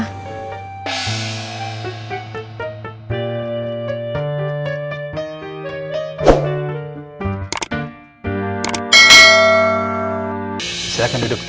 kamu sampaikan apa